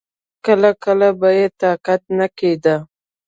کله کله به يې طاقت نه کېده.